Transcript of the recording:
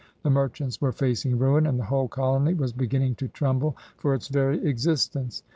The merchants were facing ruin, and the whole colony was begin ning to tremble for its very existence.